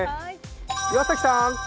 岩崎さん。